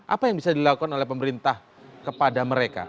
apa yang bisa dilakukan oleh pemerintah kepada mereka